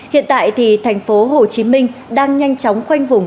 hiện tại tp hcm đang nhanh chóng quanh vùng